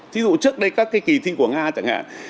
thí dụ trước đây các cái kỳ thi của nga chẳng hạn